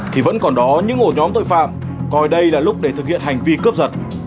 thì vẫn còn đó những ổ nhóm tội phạm coi đây là lúc để thực hiện hành vi cướp giật